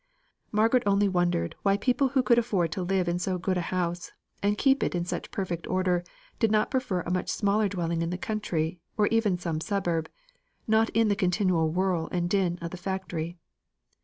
Margaret only wondered why people who could afford to live in so good a house, and keep it in such perfect order, did not prefer a much smaller dwelling in the country, or even some suburb; not in the continual whirl and din of the factory.